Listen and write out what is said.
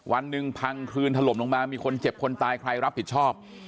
วันหนึ่งพังคลืนถล่มลงมามีคนเจ็บคนตายใครรับผิดชอบ